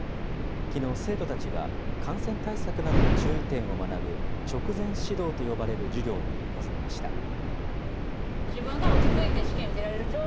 きのう、生徒たちは感染対策などの注意点を学ぶ、直前指導と呼ばれる授業に臨みました。